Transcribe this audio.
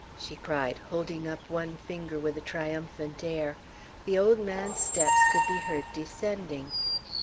she cried, holding up one finger with a triumphant air. The old man's steps could be heard descending.